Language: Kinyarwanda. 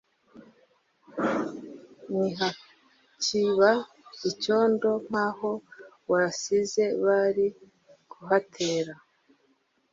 ni hakiba icyondo nkaho wasize bari kuhatera